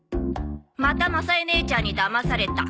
「またまさえ姉ちゃんにだまされた」